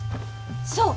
そう！